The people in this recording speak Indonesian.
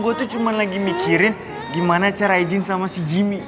gue tuh cuma lagi mikirin gimana cara izin sama si jimmy